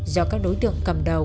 do các đối tượng cầm đầu